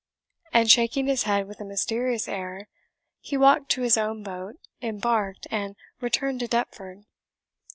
And shaking his head with a mysterious air, he walked to his own boat, embarked, and returned to Deptford.